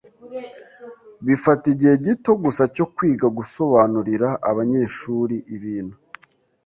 Bifata igihe gito gusa cyo kwiga gusobanurira abanyeshuri ibintu.